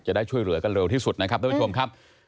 จะได้ช่วยเหลือกันเร็วที่สุดนะครับท่านผู้ชมครับ